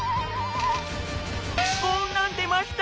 こんなんでました。